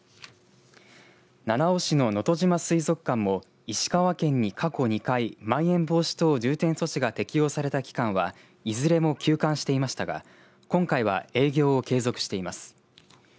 七尾市ののとじま水族館も石川県に過去２回まん延防止等重点措置が適用された期間はいずれも休館していましたが今回は営業を継続しています。